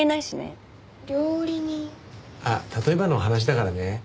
あっ例えばの話だからね。